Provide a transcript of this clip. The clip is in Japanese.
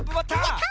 やった！